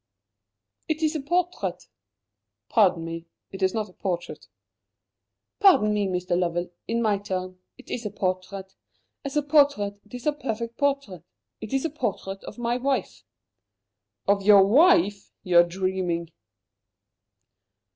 "It is a portrait." "Pardon me, it is not a portrait." "Pardon me, Mr. Lovell, in my turn; it is a portrait. As a portrait, it is a perfect portrait. It is a portrait of my wife." "Of your wife! You are dreaming!"